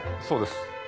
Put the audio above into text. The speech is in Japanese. そうです。